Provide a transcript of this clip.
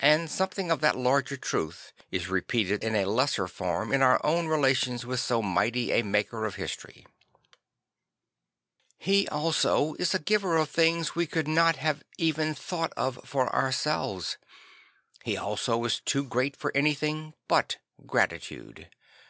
And something of that larger truth is repeated in a lesser form in our own relations with so mighty a maker of history. He also 'The 'Testament of St. Francis 183 is a giver of things we could not have even thought of for ourselves; he also is too great for anything but gratitude.